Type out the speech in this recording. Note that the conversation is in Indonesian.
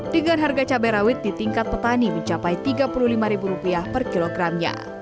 dengan harga cabai rawit di tingkat petani mencapai rp tiga puluh lima per kilogramnya